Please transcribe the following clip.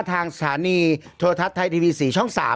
ทางสถานีโทรทัศน์ไทยทีวี๔ช่อง๓